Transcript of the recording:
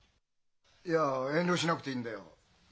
いや遠慮しなくていいんだよ。